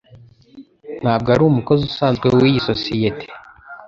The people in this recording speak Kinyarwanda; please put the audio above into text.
Ntabwo ari umukozi usanzwe wiyi sosiyete.